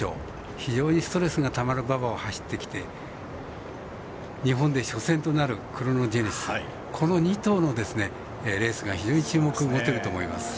非常にストレスがたまる馬場を走ってきて、日本で初戦となるクロノジェネシス、この２頭のレースが非常に注目を持てると思います。